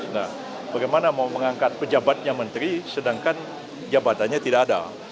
nah bagaimana mau mengangkat pejabatnya menteri sedangkan jabatannya tidak ada